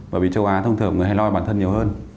bởi vì châu á thông thường người hay lo cho bản thân nhiều hơn